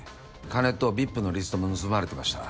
金とＶＩＰのリストも盗まれてました。